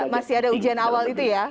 masih ada ujian awal itu ya